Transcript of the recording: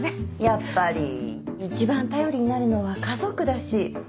やっぱり一番頼りになるのは家族だし。